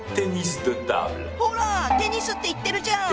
ほらテニスって言ってるじゃん。